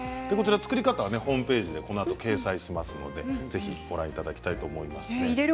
作り方はホームページでこのあと掲載しますのでぜひご覧いただきたいと思います。